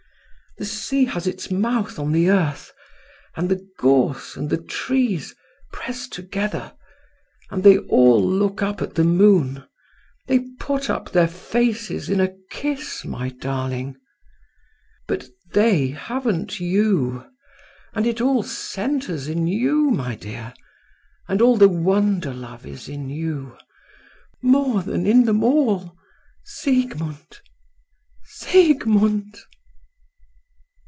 The sea has its mouth on the earth, and the gorse and the trees press together, and they all look up at the moon, they put up their faces in a kiss, my darling. But they haven't you and it all centres in you, my dear, all the wonder love is in you, more than in them all Siegmund—Siegmund!"